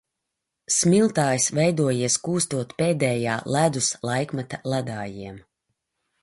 Smiltājs veidojies, kūstot pēdējā ledus laikmeta ledājiem.